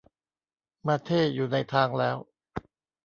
มาเธ่อยู่ในทางแล้ว